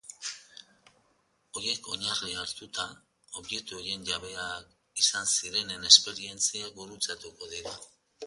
Horiek oinarri hartuta, objektu horien jabeak izan zirenen esperientziak gurutzatuko dira.